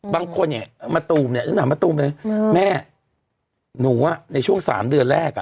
บางคนเนี่ยมะตูมเนี่ยฉันถามมะตูมเลยแม่หนูอ่ะในช่วง๓เดือนแรกอ่ะ